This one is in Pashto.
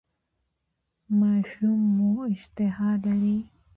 ماشوم مو اشتها لري؟